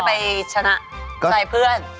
แทนที่จะไปชนะใจเพื่อน